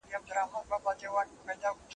دا متل دی له پخوا د اولنیو